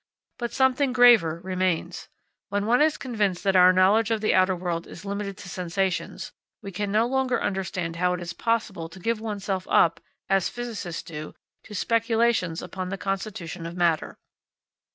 But something graver remains. When one is convinced that our knowledge of the outer world is limited to sensations, we can no longer understand how it is possible to give oneself up, as physicists do, to speculations upon the constitution of matter.